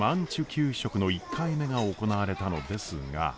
給食の１回目が行われたのですが。